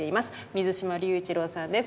水嶋龍一郎さんです。